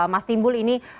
mas timbul ini